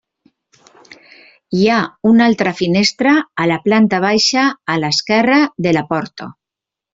Hi ha una altra finestra a la planta baixa a l'esquerra de la porta.